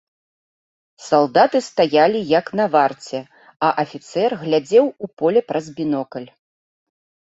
Салдаты стаялі, як на варце, а афіцэр глядзеў у поле праз бінокль.